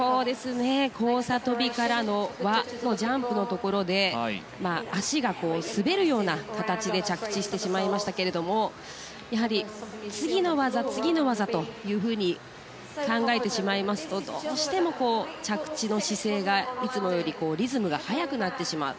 交差とびからの輪のジャンプのところで足が滑るような形で着地をしてしまいましたがやはり次の技、次の技と考えてしまいますとどうしても、着地の姿勢がいつもよりリズムが早くなってしまう。